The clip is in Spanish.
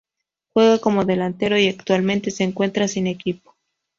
Juega como Delantero y actualmente se encuentra sin equipo.